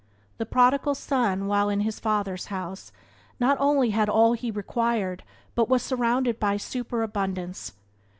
The prodigal son, while in his father's house, not only had all that he required, but was surrounded by a superabundance.